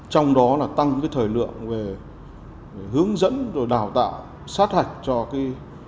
trong đó là tăng cái thời lượng về hướng dẫn rồi đào tạo sát hạch cho cái